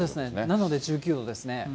なので１９度ですね。